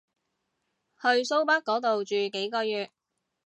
去蘇北嗰度住幾個月